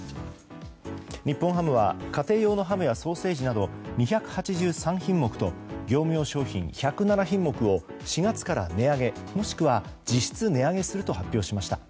日本ハムは家庭用のハムやソーセージなど２８３品目と業務用商品１０７品目を４月から値上げ、もしくは実質値上げすると発表しました。